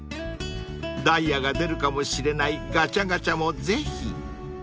［ダイヤが出るかもしれないガチャガチャもぜひ］